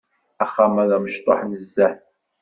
Axxam-a d amecṭuḥ nezzeh.